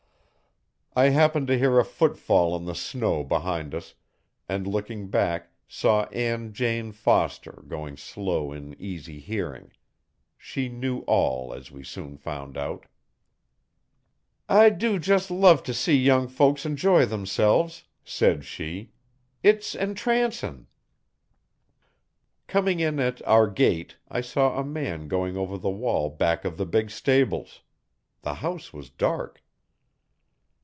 I happened to hear a footfall in the snow behind us, and looking back saw Ann Jane Foster going slow in easy hearing. She knew all, as we soon found out. 'I dew jes love t' see young folks enjoy themselves,' said she, 'it's entrancin'.' Coming in at our gate I saw a man going over the wall back of the big stables. The house was dark.